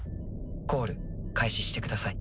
コール開始してください。